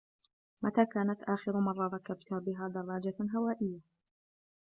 متى كانت آخر مرة ركبت بها دراجة هوائية ؟